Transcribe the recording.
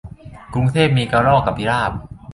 กรุงเทพมีกระรอกกับพิราบ